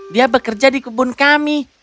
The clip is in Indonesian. dia bekerja di kebun kami